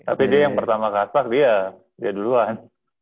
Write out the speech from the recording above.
tapi dia yang pertama ke adpak dia dia duluan